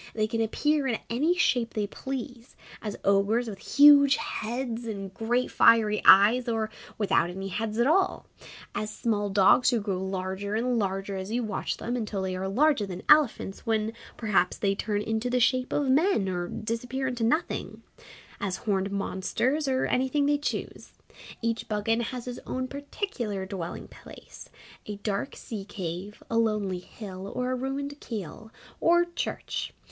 They can appear in any shape they please as ogres with huge heads and great fiery eyes, or without any heads at all; as small dogs who grow larger and larger as you watch them until they are larger than elephants, when perhaps they turn into the shape of men or disappear into nothing; as horned monsters or anything they choose. Each Buggane has his own particular dwelling place a dark sea cave, a lonely hill, or a ruined Keeill, or Church.